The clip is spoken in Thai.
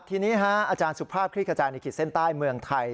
ทีนี้อาจารย์สุภาพคลิกกระจายในขีดเส้นใต้เมืองไทย